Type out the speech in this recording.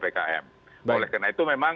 oleh karena itu memang sekarang kita akan mencari